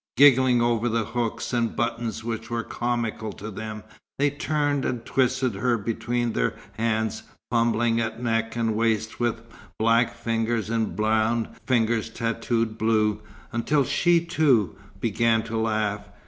Giggling over the hooks and buttons which were comical to them, they turned and twisted her between their hands, fumbling at neck and waist with black fingers, and brown fingers tattooed blue, until she, too, began to laugh.